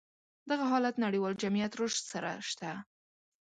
دغه حالت نړيوال جميعت رشد سره شته.